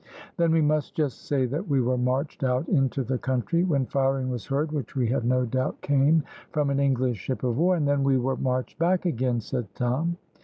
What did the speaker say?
"Then we must just say that we were marched out into the country, when firing was heard which we have no doubt came from an English ship of war, and then we were marched back again," said Tom.